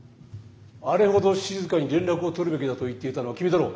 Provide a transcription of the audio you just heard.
あれほどしずかに連絡を取るべきだと言っていたのは君だろう。